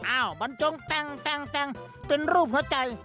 อ้าวบรรจงแต่งเป็นรูปเข้าใจ